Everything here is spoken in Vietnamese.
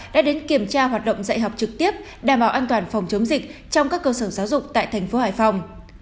đã đến kiểm tra hoạt động dạy học trực tiếp đảm bảo an toàn phòng chống dịch trong các cơ sở giáo dục tại thành phố hải phòng